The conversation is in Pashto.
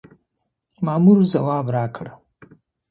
مامور ځواب راکړ.